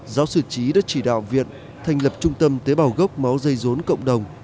giáo sư trí đã chỉ đạo viện thành lập trung tâm tế bào gốc máu dây dốn cộng đồng